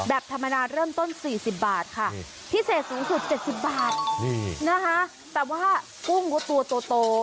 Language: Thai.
แบบธรรมดาเริ่มต้นสี่สิบบาทค่ะนี่พิเศษสูงสุดเจ็ดสิบบาทนี่นะคะแต่ว่ากุ้งก็ตัวโตโต